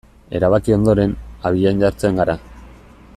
Erabaki ondoren, abian jartzen gara.